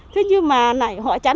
thế nhưng mà họ chắn